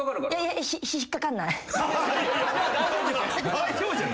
大丈夫じゃん。